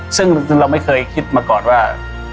ซึ่งเราไม่เคยคิดมาก่อนว่า